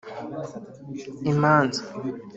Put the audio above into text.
imanza